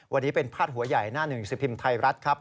วันนี้เป็นพาดหัวใหญ่หน้าหนึ่งสิบพิมพ์ไทยรัฐครับ